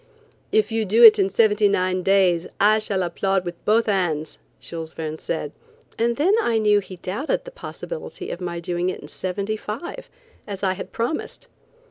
"If you do it in seventy nine days, I shall applaud with both hands," Jules Verne said, and then I knew he doubted the possibility of my doing it in seventy five, as I had promised.